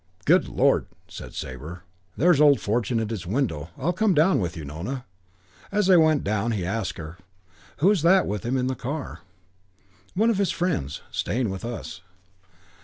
"Good lord," said Sabre, "there's old Fortune at his window. I'll come down with you, Nona." As they went down he asked her, "Who's that with him in the car?" "One of his friends. Staying with us."